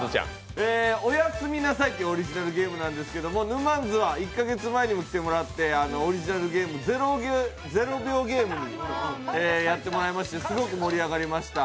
「おやすみなさい」というオリジナルゲームなんですけども、ぬまんづは１か月前にも来てもらってオリジナルゲーム、「０秒ゲーム」をやってもらいましてすごく盛り上がりました。